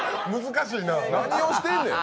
何をしてんねん！